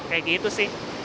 kayak gitu sih